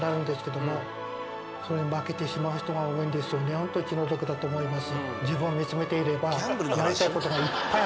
本当に気の毒だと思います。